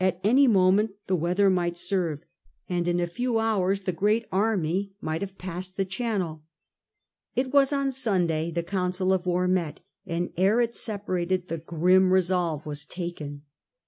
iny moment the weather might serve, and in a few hours the XI THE FIRESHIPS 165 great army might have passed the Chamiel. It was on Sunday the council of war met, and ere it separated the grim resolve was taken.